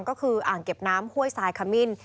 ก็คืออ่างเก็บน้ำห้วยทรายขมิ้น